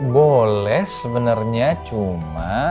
boleh sebenernya cuma